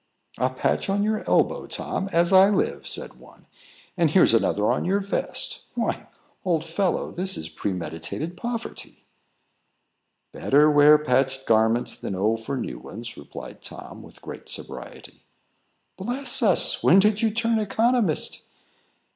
"A patch on your elbow, Tom, as I live!" said one; "and here's another on your vest. Why, old fellow, this is premeditated poverty." "Better wear patched garments than owe for new ones," replied Tom, with great sobriety. "Bless us! when did you turn economist?"